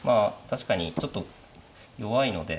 確かにちょっと弱いので。